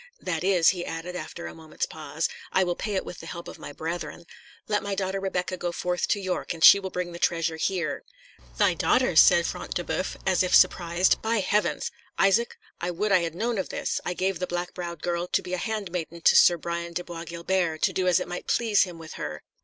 "That is," he added, after a moment's pause, "I will pay it with the help of my brethren. Let my daughter Rebecca go forth to York, and she will bring the treasure here." "Thy daughter!" said Front de Boeuf, as if surprised. "By heavens! Isaac, I would I had known of this; I gave the black browed girl to be a handmaiden to Sir Brian de Bois Guilbert, to do as it might please him with her.